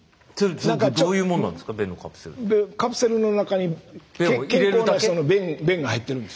カプセルの中に健康な人の便が入ってるんです。